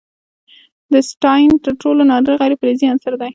د اسټاټین تر ټولو نادر غیر فلزي عنصر دی.